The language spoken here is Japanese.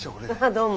どうも。